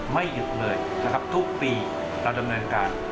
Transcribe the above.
ไม่หยุดเลยนะครับทุกปีเราดำเนินการ